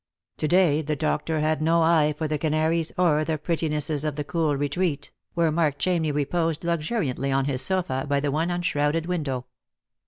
To day the doctor had no eye for the canaries or the prettinesses of that cool retreat, where Mark Chamney reposed luxuriantly on his sofa by the one unshrouded window.